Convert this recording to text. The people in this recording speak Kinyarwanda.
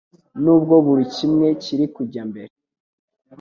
N'ubwo buri kimwe kiri kujya mbere,